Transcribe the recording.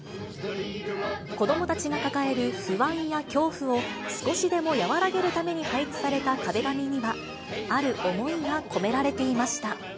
子どもたちが抱える不安や恐怖を、少しでも和らげるために配置された壁紙には、ある思いが込められていました。